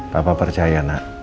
papa percaya nak